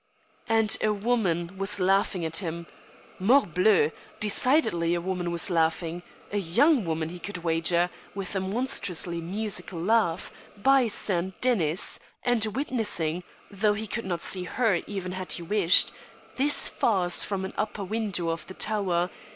And a woman was laughing at him, morbleu! Decidedly a woman was laughing a young woman, he could wager, with a monstrously musical laugh, by St. Denys! and witnessing (though he could not see her even had he wished) this farce from an upper window of the tower.